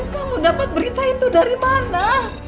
kamu dapat berita itu dari mana